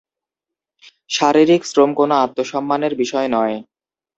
শারীরিক শ্রম কোনো আত্মসম্মানের বিষয় নয়।